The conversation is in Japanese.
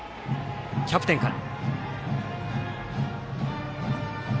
キャプテンから。